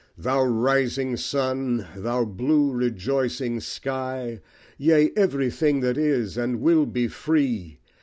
Thou rising Sun! thou blue rejoicing Sky! Yea, everything that is and will be free!